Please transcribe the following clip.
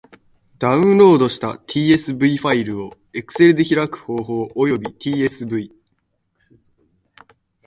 ダウンロードした tsv ファイルを Excel で開く方法及び tsv ...